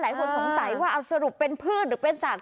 หลายคนสงสัยว่าเอาสรุปเป็นพืชหรือเป็นสัตว